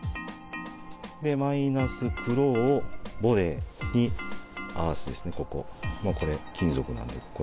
マイナス、黒をボディーに、合わしてですね、ここ、これ金属なんで、ここ。